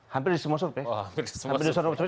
hampir semua survey